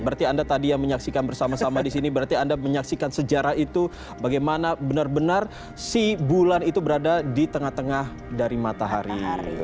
berarti anda tadi yang menyaksikan bersama sama di sini berarti anda menyaksikan sejarah itu bagaimana benar benar si bulan itu berada di tengah tengah dari matahari